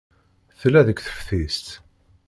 Tella deg teftist.